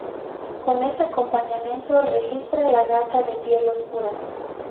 Con ese acompañamiento registra "La Gata de piel oscura".